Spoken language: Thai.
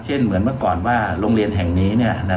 เหมือนเมื่อก่อนว่าโรงเรียนแห่งนี้